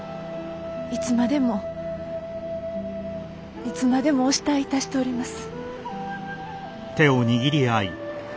いつまでもいつまでもお慕いいたしております。